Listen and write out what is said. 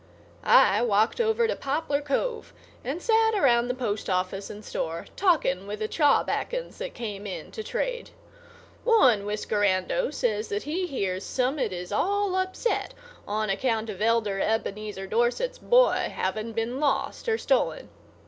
I walked over to Poplar Cove and sat around the postoffice and store, talking with the chawbacons that came in to trade. One whiskerando says that he hears Summit is all upset on account of Elder Ebenezer Dorset's boy having been lost or stolen.